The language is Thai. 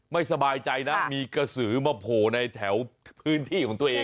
ไม่สบายใจนะมีกระสือมาโผล่ในแถวพื้นที่ของตัวเอง